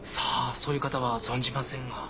そういう方は存じませんが。